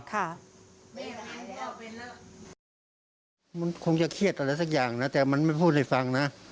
มันคงจะเครียดอะไรสักอย่างนะแต่มันไม่พูดให้ฟังนะ